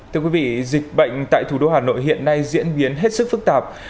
thưa quý vị dịch bệnh tại thủ đô hà nội hiện nay diễn biến hết sức phức tạp